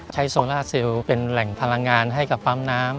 โซล่าซิลเป็นแหล่งพลังงานให้กับปั๊มน้ำ